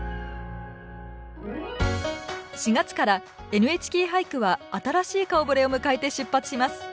４月から「ＮＨＫ俳句」は新しい顔ぶれを迎えて出発します。